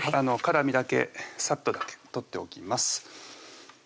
辛みだけサッとだけ取っておきます